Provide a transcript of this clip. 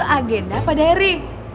agenda apa derry